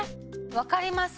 分かります！